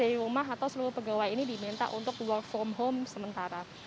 jadi dari rumah atau seluruh pegawai ini diminta untuk work from home sementara